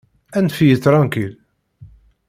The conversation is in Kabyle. Anef-iyi tṛankil.